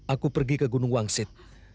aku pergi ke gunung wangsit